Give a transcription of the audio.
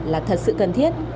là thật sự cần thiết